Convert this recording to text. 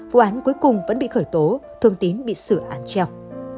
vụ án cuối cùng vẫn bị khởi tố thương tín bị sửa án treo